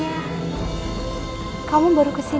aku melihat ibu kananmu